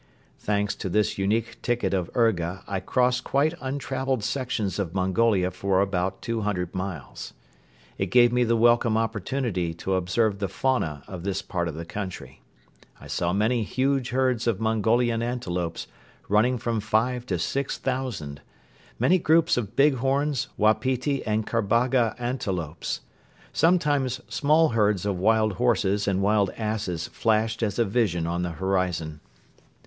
Thanks to this unique ticket of urga I crossed quite untraveled sections of Mongolia for about two hundred miles. It gave me the welcome opportunity to observe the fauna of this part of the country. I saw many huge herds of Mongolian antelopes running from five to six thousand, many groups of bighorns, wapiti and kabarga antelopes. Sometimes small herds of wild horses and wild asses flashed as a vision on the horizon.